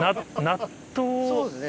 そうですね。